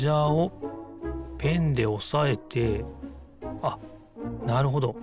あっなるほど。